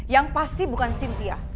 yang pasti bukan sintia